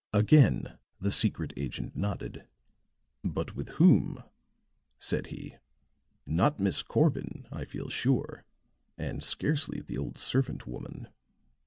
Again the secret agent nodded. "But with whom?" said he. "Not Miss Corbin, I feel sure; and scarcely the old servant woman."